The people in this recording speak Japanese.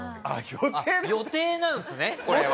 予定なんですねこれは。